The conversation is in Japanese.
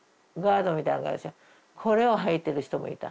これをはいてる人もいた。